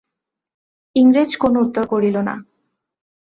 ইংরেজ কোনো উত্তর করিল না।